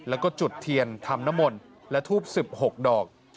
แล้วก็จุดเทียนทำน้ำมนต์และทูบ๑๖ดอก